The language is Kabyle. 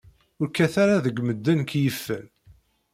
Ur kkat ara deg medden k-yifen.